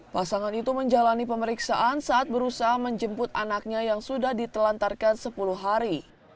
pasangan itu menjalani pemeriksaan saat berusaha menjemput anaknya yang sudah ditelantarkan sepuluh hari